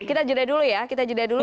kita jeda dulu ya kita jeda dulu